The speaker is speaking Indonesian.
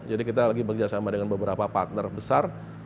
kita lagi bekerjasama dengan beberapa partner besar